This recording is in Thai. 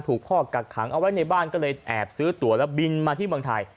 ถูกพ่อกักขังเอาไว้ในบ้านก็เลยแอบซื้อตัวแล้วบินมาที่เมืองไทย